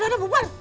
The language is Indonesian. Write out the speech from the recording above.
udah udah bubar